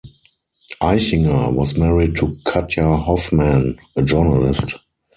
Eichinger was married to Katja Hoffman, a journalist.